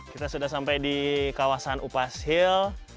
kita sudah sampai di kawasan upas hill